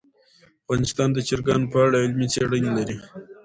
افغانستان د چرګانو په اړه علمي څېړني لري.